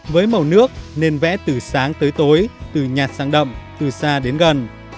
với màu nước nên vẽ từ sáng tới tối từ nhạt sang đậm từ xa đến gần